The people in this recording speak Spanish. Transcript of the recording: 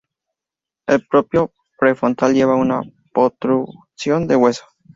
El propio prefrontal lleva una protrusión de hueso.